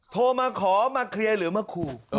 โทรมาขอมาเคลียร์หรือมาขู่